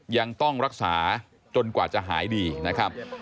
ยังต้องรักษาจนกว่าจะหายดีนะครับ